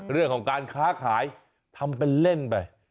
เรื่องของการค้าขายทำเป็นเล่นไป